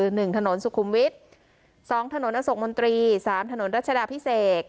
หนึ่งถนนสุขุมวิทย์สองถนนอโศกมนตรีสามถนนรัชดาพิเศษ